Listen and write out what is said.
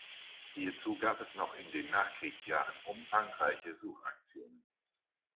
Hierzu gab es noch in den Nachkriegsjahren umfangreiche Suchaktionen.